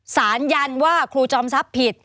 สารยันว่าครูจอมทรัพย์ผิด